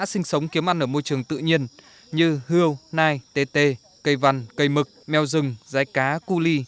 sinh sống kiếm ăn ở môi trường tự nhiên như hưu nai tê tê cây văn cây mực meo rừng rái cá cu ly